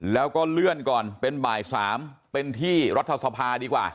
แล้วก็เลื่อนก่อนเป็นบ่าย๓เป็นที่รัฐสภาดีกว่า